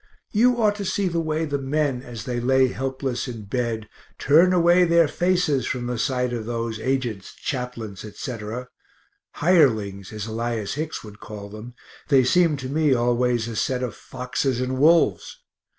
You ought to see the way the men, as they lay helpless in bed, turn away their faces from the sight of those agents, chaplains, etc. (hirelings, as Elias Hicks would call them they seem to me always a set of foxes and wolves).